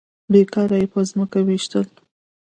بې کاره يې په ځمکه ويشتل.